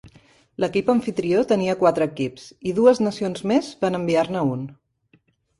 L'equip amfitrió tenia quatre equips, i dues nacions més van enviar-ne un.